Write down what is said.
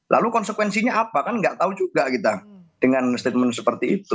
lalu konsekuensinya apa kan nggak tahu juga kita dengan statement seperti itu